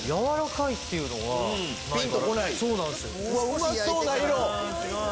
うまそうな色！